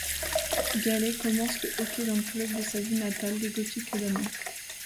Gallet commence le hockey dans le club de sa ville natale les Gothiques d'Amiens.